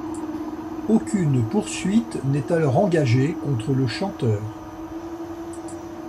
Aucune poursuite n'est alors engagée contre le chanteur.